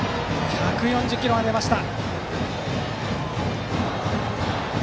１４０キロが出ました。